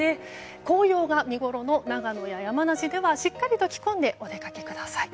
紅葉が見ごろの長野や山梨ではしっかりと着込んでお出かけください。